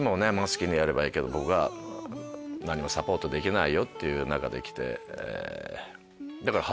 「好きにやればいいけど僕は何もサポートできないよ」という中で来て。